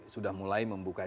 sudah mulai membuka diri